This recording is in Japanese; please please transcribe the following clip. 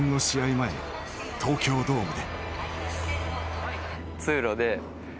前東京ドームで。